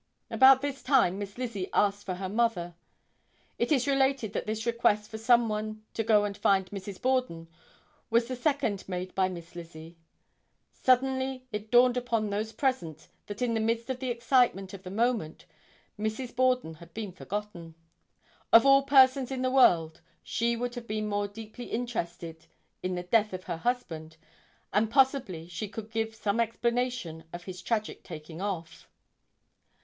About this time Miss Lizzie asked for her mother. It is related that this request for some one to go and find Mrs. Borden was the second made by Miss Lizzie. Suddenly it dawned upon those present that in the midst of the excitement of the moment, Mrs. Borden had been forgotten. Of all persons in the world, she would have been more deeply interested in the death of her husband and possibly she could give some explanation of his tragic taking off.